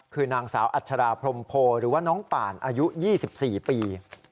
คือนางสาวอัชราพรมโพหรือว่าน้องป่านอายุ๒๔ปี